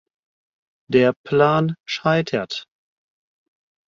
Der Plan scheitert.